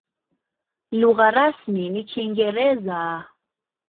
Lugha rasmi ni Kiingereza.